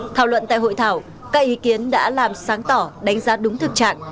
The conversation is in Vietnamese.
thảo luận tại hội thảo các ý kiến đã làm sáng tỏ đánh giá đúng thực trạng